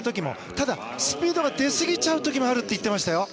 ただ、スピードが出すぎちゃう時もあると言っていましたよ。